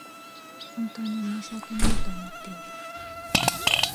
本当に申し訳ないと思っている